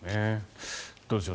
どうでしょう。